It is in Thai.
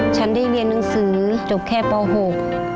ฉันได้เรียนหนังสือจบภาษาที่นี่